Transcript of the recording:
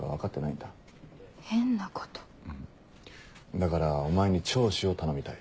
だからお前に聴取を頼みたい。